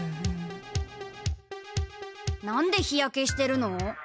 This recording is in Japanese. なんで日やけしてるの？